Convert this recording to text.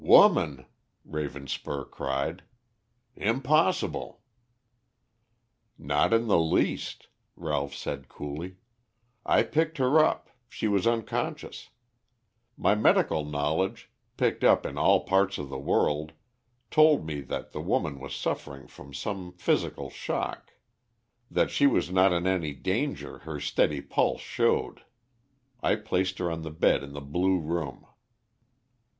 "Woman?" Ravenspur cried. "Impossible!" "Not in the least," Ralph said coolly. "I picked her up, she was unconscious. My medical knowledge, picked up in all parts of the world, told me that the woman was suffering from some physical shock. That she was not in any danger her steady pulse showed. I placed her on the bed in the blue room."